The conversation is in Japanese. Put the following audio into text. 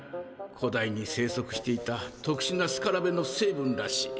古代に生息していたとくしゅなスカラベの成分らしい。